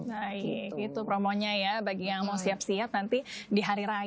baik itu promonya ya bagi yang mau siap siap nanti di hari raya